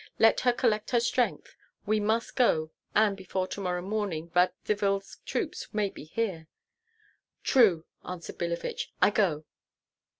Let her collect her strength. We must go, for before to morrow morning Radzivill's troops may be here." "True," answered Billevich; "I go!"